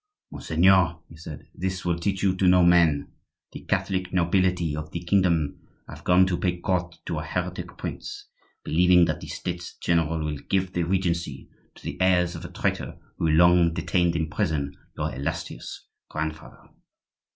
"Monseigneur," he said, "this will teach you to know men. The Catholic nobility of the kingdom have gone to pay court to a heretic prince, believing that the States general will give the regency to the heirs of a traitor who long detained in prison your illustrious grandfather."